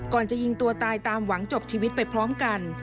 จะยิงตัวตายตามหวังจบชีวิตไปพร้อมกัน